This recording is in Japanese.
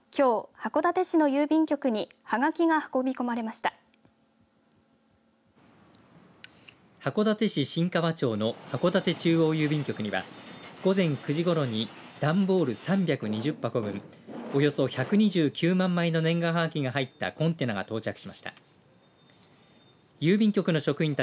函館市新川町の函館中央郵便局には午前９時ごろに段ボール３２０箱分およそ１２９万枚の年賀はがきが入ったコンテナが到着しました。